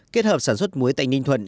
kết hợp sản xuất muối tại ninh thuận